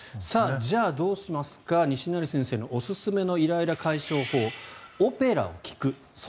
じゃあ、どうしますか西成先生のおすすめのイライラ解消法。